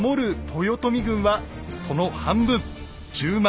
豊臣軍はその半分１０万。